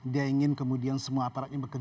dia ingin kemudian semua aparatnya berkesan